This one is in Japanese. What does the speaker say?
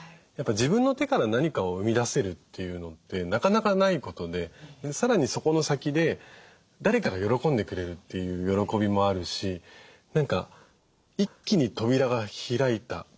やっぱ自分の手から何かを生み出せるというのってなかなかないことでさらにそこの先で誰かが喜んでくれるという喜びもあるし何か一気に扉が開いた。